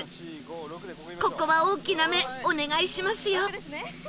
ここは大きな目お願いしますよ